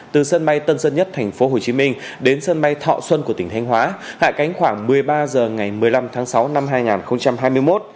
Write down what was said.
từ sân bay tân sơn nhất tp hcm đến sân bay thọ xuân của tỉnh thanh hóa hạ cánh khoảng một mươi ba h ngày một mươi năm tháng sáu năm hai nghìn hai mươi một